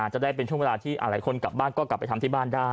จะได้เป็นช่วงเวลาที่หลายคนกลับบ้านก็กลับไปทำที่บ้านได้